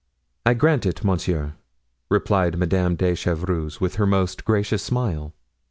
"I grant it, monsieur," replied Madame de Chevreuse with her most gracious smile.